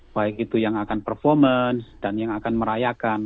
baik itu yang akan performance dan yang akan merayakan